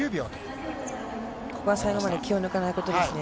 ここは最後まで気を抜かないことですね。